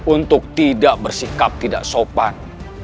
untuk tidak bersikap tidak sopan